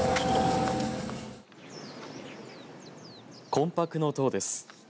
魂魄の塔です。